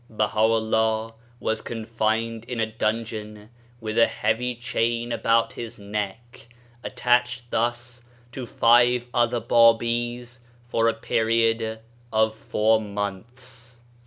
Baha'u'llah was con 8 fined in a dungeon with a heavy chain about his neck, attached thus to five other Babis, for a period of four months.